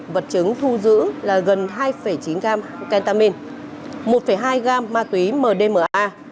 vật chứng thu giữ là gần hai chín gam kentamin một hai gam ma túy mdma